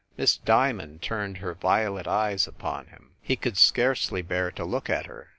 Miss Dia mond turned her violet eyes upon him. He could scarcely bear to look at her.